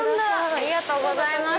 ありがとうございます！